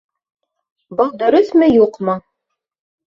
Был дөрөҫмө, юҡмы?